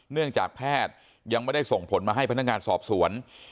เนื่องจากแพทย์ยังไม่ได้ส่งผลมาให้พนักงานสอบสวน